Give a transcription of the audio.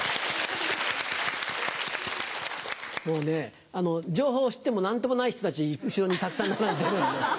もうね情報知っても何ともない人たち後ろにたくさん並んでるんで。